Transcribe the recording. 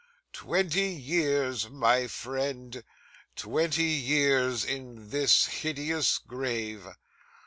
Twenty years, my friend, twenty years in this hideous grave!